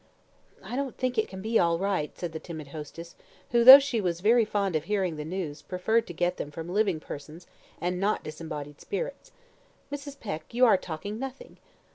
"I don't think it can be right," said the timid hostess, who, though she was very fond of hearing the news, preferred to get them from living persons and not disembodied spirits. "Mrs. Peck, you are taking nothing."